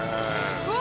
うわ！